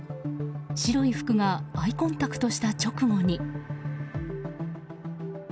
白い服がアイコンタクトした直後に。